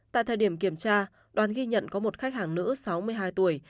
tại thời điểm kiểm tra đoàn ghi nhận có một khách hàng nữ sáu mươi hai tuổi